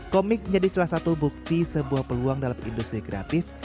komik menjadi salah satu bukti sebuah peluang dalam industri kreatif